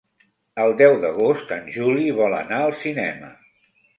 El deu d'agost en Juli vol anar al cinema.